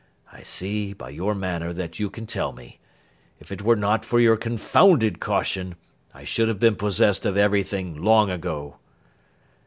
I see by your manner that you can tell me. If it were not for your confounded caution, I should have been possessed of everything long ago.